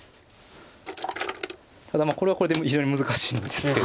ただこれはこれで非常に難しいんですけども。